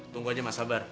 tunggu aja mas sabar